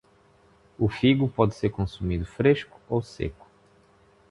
O figo pode ser consumido fresco ou seco.